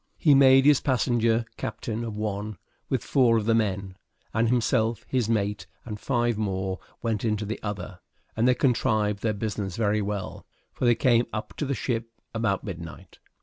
He made his passenger captain of one, with four of the men; and himself, his mate, and five more went in the other; and they contrived their business very well, for they came up to the ship about midnight.